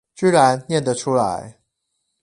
居然唸的出來